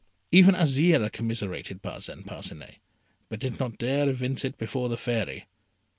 Even Azire commiserated Parcin Parcinet, but did not dare to evince it before the Fairy.